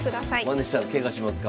まねしたらケガしますか。